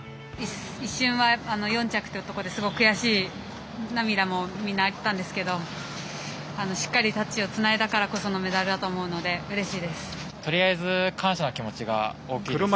一瞬は４着ということで悔しい涙もみんなあったんですけどしっかりタッチをつないだからこそのメダルだと思うので取りあえず感謝の気持ちが大きいです。